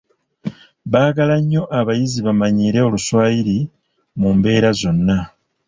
Baagala nnyo abayizi bamanyiire Oluswayiri mu mbeera zonna.